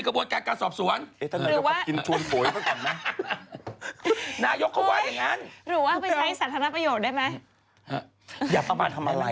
เขาถ่ายรูปออกมาข้างในโอ่